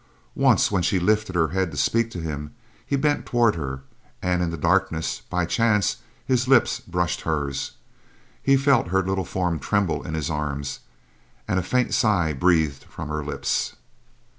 Once when she lifted her head to speak to him, he bent toward her, and in the darkness, by chance, his lips brushed hers. He felt her little form tremble in his arms, and a faint sigh breathed from her lips.